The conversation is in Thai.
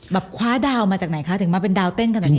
คว้าดาวมาจากไหนคะถึงมาเป็นดาวเต้นขนาดนี้